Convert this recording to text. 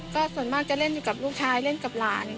ก็ส่วนมากจะเล่นอยู่กับลูกชายเล่นกับหลาน